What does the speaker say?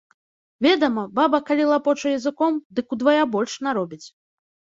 Ведама, баба, калі лапоча языком, дык удвая больш наробіць.